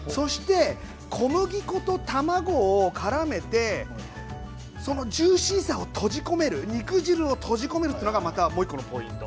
小麦粉と卵をからめてジューシーさを閉じ込める肉汁を閉じ込めるというのがもう１個のポイント